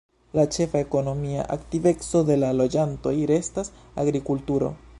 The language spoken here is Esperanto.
La ĉefa ekonomia aktiveco de la loĝantoj restas agrikulturo.